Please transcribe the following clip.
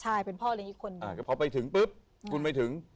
ใช่เป็นพ่อเลี้ยอีกคนนึงพอไปถึงปุ๊บคุณไปถึง